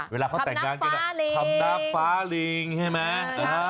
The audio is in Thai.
เวลาเขาแต่งงานกันคำนักฟ้าลิงใช่ไหมคำนักฟ้าลิง